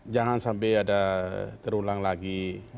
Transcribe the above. jangan sampai ada terulang lagi